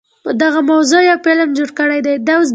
په دغه موضوع يو فلم جوړ کړے دے